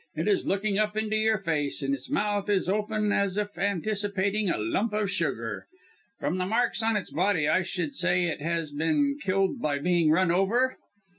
It is looking up into your face, and its mouth is open as if anticipating a lump of sugar. From the marks on its body I should say it has been killed by being run over?"